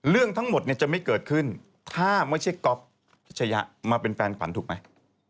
เรื่องทั้งหมดเนี่ยจะไม่เกิดขึ้นถ้าไม่ใช่ก๊อฟพิชยะมาเป็นแฟนขวัญถูกไหม